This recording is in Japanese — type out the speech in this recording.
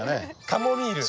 カモミール。